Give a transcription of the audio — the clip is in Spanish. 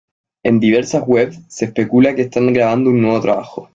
En diversas webs se especula que están grabando un nuevo trabajo.